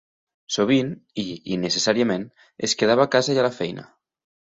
Sovint, i innecessàriament, es quedava a casa i a la feina.